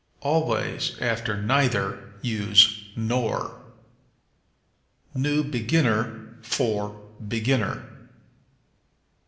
Always after neither use nor. New Beginner for Beginner.